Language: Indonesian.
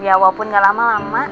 ya walaupun gak lama lama